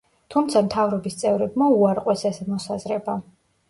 თუმცა მთავრობის წევრებმა უარყვეს ეს მოსაზრება.